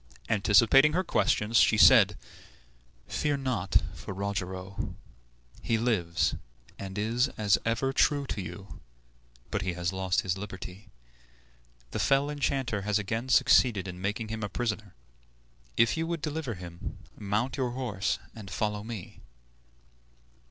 Anticipating her questions, she said, "Fear not for Rogero; he lives, and is as ever true to you; but he has lost his liberty. The fell enchanter has again succeeded in making him a prisoner. If you would deliver him, mount your horse and follow me."